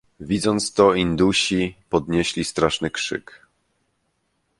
"Widząc to, indusi podnieśli straszny krzyk."